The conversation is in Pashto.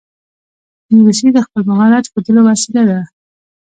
انګلیسي د خپل مهارت ښودلو وسیله ده